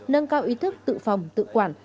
nâng cao ý thức tự phòng tự quản